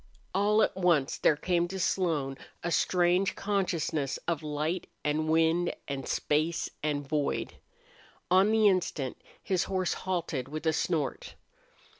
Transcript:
All at once there came to Slone a strange consciousness of light and wind and space and void. On the instant his horse halted with a snort.